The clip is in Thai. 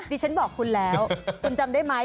ดิฉันบอกคุณแล้วคุณจำได้ไหม